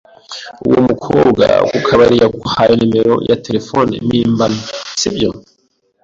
Uwo mukobwa ku kabari yaguhaye nimero ya terefone mpimbano, sibyo?